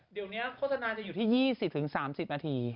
เดี๋ยวนี้โฆษณาจะอยู่ที่๒๐๓๐นาที